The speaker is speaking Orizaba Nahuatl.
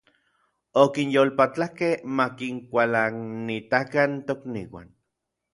Okinyolpatlakej ma kinkualanitakan tokniuan.